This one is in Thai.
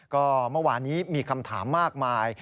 ก็เมื่อวานนี้มีคำถามมากมาย